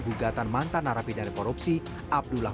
gugatan mantan narapidana korupsi abdullah